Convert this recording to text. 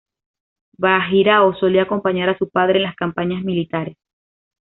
Bajirao solía acompañar a su padre en las campañas militares.